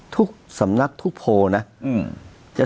ทุกสำนักทุกโพลนะ